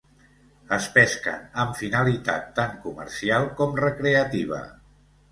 Es pesquen amb finalitat tant comercial com recreativa.